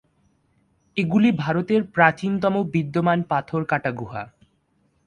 এগুলি ভারতের প্রাচীনতম বিদ্যমান পাথর-কাটা গুহা।